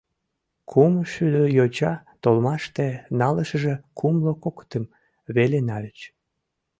Кумшӱдӧ йоча толмаште налашыже кумло кокытым веле нальыч.